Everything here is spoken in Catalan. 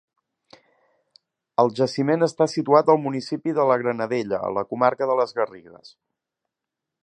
El jaciment està situat al municipi de la Granadella, a la comarca de Les Garrigues.